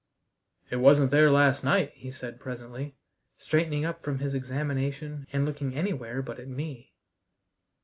"It wasn't there last night," he said presently, straightening up from his examination and looking anywhere but at me.